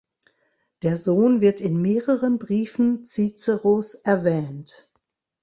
Der Sohn wird in mehreren Briefen Ciceros erwähnt.